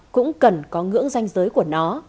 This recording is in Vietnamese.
cũng cần có ngưỡng danh giới của nó